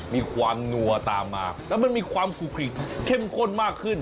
มีความนัวตามมาแล้วมันมีความคลุกคลิกเข้มข้นมากขึ้น